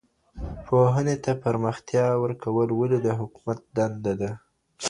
پوهنې ته پراختيا ورکول ولي د حکومت دنده ده؟